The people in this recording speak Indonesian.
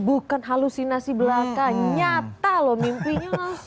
bukan halusinasi belakang nyata loh mimpinya langsung bisa ke depan pesawat